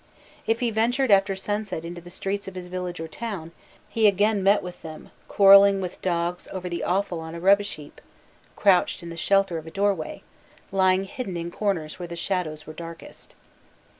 If he ventured after sundown into the streets of his village or town, he again met with them quarrelling with dogs over the offal on a rubbish heap, crouched in the shelter of a doorway, lying hidden in corners where the shadows were darkest.